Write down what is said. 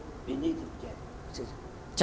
ปีนี้ถึงเจ็ด